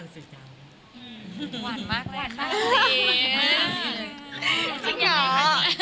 จริงเหรอ